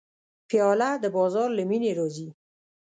پیاله د بازار له مینې راځي.